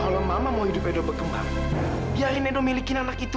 kalau mama mau hidup medo berkembang biarin edo milikin anak itu